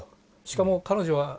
しかも彼女は。